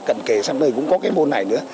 cần kề sắp tới cũng có cái môn này nữa